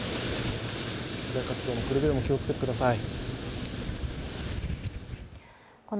取材活動もくれぐれも気をつけてください。